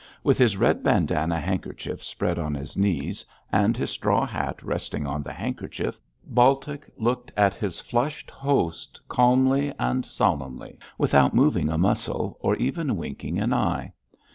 With his red bandanna handkerchief spread on his knees, and his straw hat resting on the handkerchief, Baltic looked at his flushed host calmly and solemnly without moving a muscle, or even winking an eye.